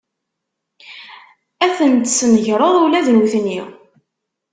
Ad ten-tesnegreḍ ula d nutni?